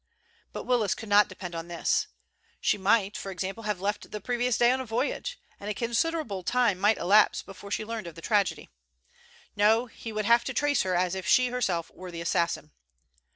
But Willis could not depend on this. She might, for example, have left the previous day on a voyage, and a considerable time might elapse before she learned of the tragedy. No; he would have to trace her as if she herself were the assassin.